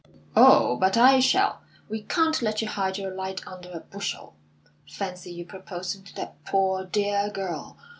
"Oh, but I shall. We can't let you hide your light under a bushel. Fancy you proposing to that poor, dear girl!